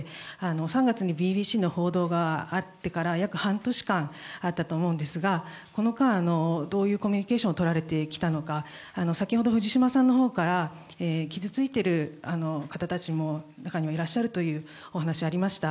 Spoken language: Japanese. ３月にＢＢＣの報道があってから約半年間あったと思うんですがこの間、どういうコミュニケーションをとられてきたのか、先ほど藤島さんの方から、傷ついている方もいるというお話を聞きました